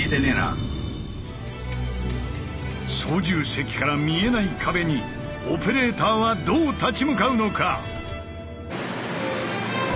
操縦席から見えない壁にオペレーターはどう立ち向かうのか？